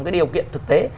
một cái điều kiện thực tế